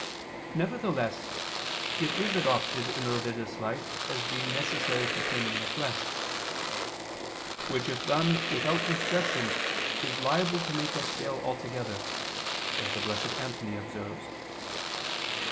Nevertheless it is adopted in religious life as being necessary for taming the flesh, "which if done without discretion, is liable to make us fail altogether," as the Blessed Antony observes.